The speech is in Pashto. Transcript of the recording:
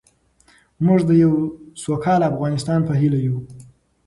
موږ د یو سوکاله افغانستان په هیله یو.